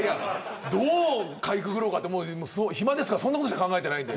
どうかいくぐろうかって暇だからそんなことしか考えてません。